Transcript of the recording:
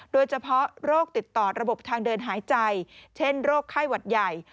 โดยเฉพาะโรคติดต่อระบบทางเดินหายใจเช่นโรคไข้หวัดใหญ่